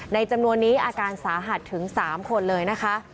จำนวนนี้อาการสาหัสถึง๓คนเลยนะคะ